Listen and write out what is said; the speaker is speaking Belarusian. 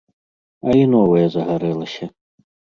А і новае загарэлася.